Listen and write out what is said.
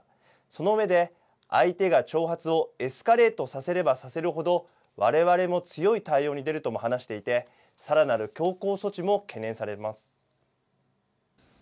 その上で、相手が挑発をエスカレートさせればさせるほど、われわれも強い対応に出るとも話していて、さらなる強硬措置も懸念されます。